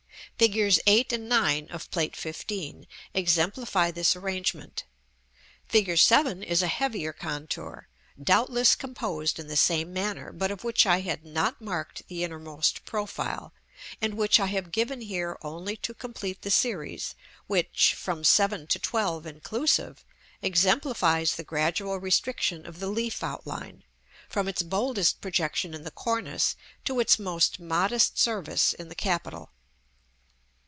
Figures 8 and 9 of Plate XV. exemplify this arrangement. Fig. 7 is a heavier contour, doubtless composed in the same manner, but of which I had not marked the innermost profile, and which I have given here only to complete the series which, from 7 to 12 inclusive, exemplifies the gradual restriction of the leaf outline, from its boldest projection in the cornice to its most modest service in the capital.